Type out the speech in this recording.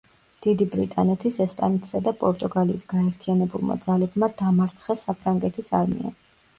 დიდი ბრიტანეთის, ესპანეთისა და პორტუგალიის გაერთიანებულმა ძალებმა დამარცხეს საფრანგეთის არმია.